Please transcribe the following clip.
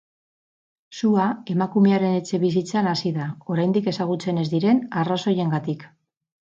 Sua emakumearen etxebizitzan hasi da, oraindik ezagutzen ez diren arrazoiengatik.